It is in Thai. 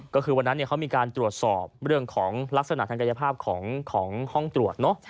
ก็คือวันนั้นเขามีการตรวจสอบเรื่องของลักษณะทางกายภาพของห้องตรวจเนอะ